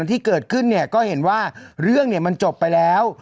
ที่เกิดขึ้นเนี่ยก็เห็นว่าเรื่องเนี่ยมันจบไปแล้ว